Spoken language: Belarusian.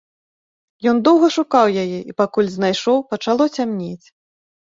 Ён доўга шукаў яе, і пакуль знайшоў, пачало цямнець.